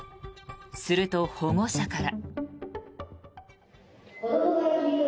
すると、保護者から。